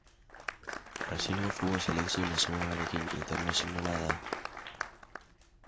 Brasilgo futbol selekzio nazionalarekin internazionala da.